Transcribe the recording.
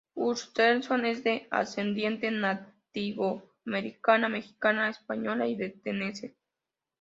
Hutcherson es de ascendencia nativo-americana, mexicana, española y de Tennesse.